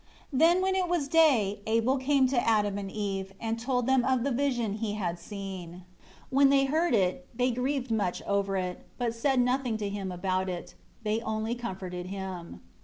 9 Then when it was day, Abel came to Adam and Eve, and told them of the vision he had seen. When they heard it, they grieved much over it, but said nothing to him about it; they only comforted him.